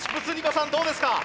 さんどうですか？